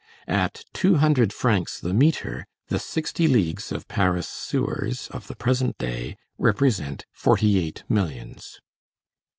At two hundred francs the metre, the sixty leagues of Paris' sewers of the present day represent forty eight millions.